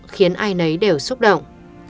khiến ai nấy đều xúc động